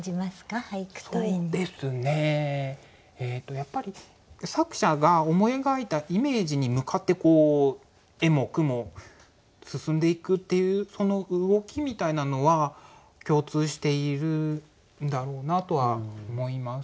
やっぱり作者が思い描いたイメージに向かって絵も句も進んでいくっていうその動きみたいなのは共通しているんだろうなとは思います。